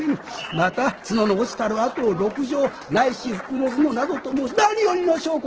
また角の落ちたる痕を『鹿茸』ないし『袋角』などと申し何よりの証拠！